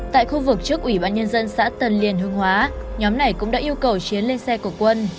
tại khu vực trước ủy ban nhân dân xã tần liền hương hóa nhóm này cũng đã yêu cầu chiến lên xe của quân